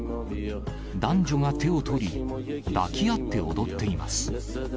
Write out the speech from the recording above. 男女が手を取り、抱き合って踊っています。